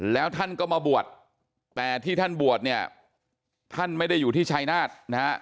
แล้วท่านก็มาบวชแต่ที่ท่านบวชเนี่ยท่านไม่ได้อยู่ที่ชายนาฏนะฮะ